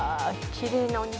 きれいなお肉」